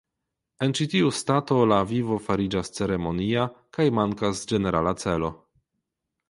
En ĉi tiu stato la vivo fariĝas ceremonia kaj mankas ĝenerala celo.